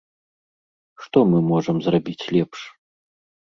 Што мы можам зрабіць лепш?